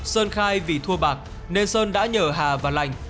sơn khai vì thua bạc nên sơn đã nhờ hà và lành